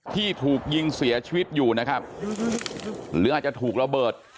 ที่ถูกยิงเสียชีวิตอยู่นะครับหรืออาจจะถูกระเบิด